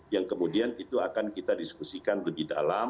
yang kemudian itu akan kita diskusikan lebih dalam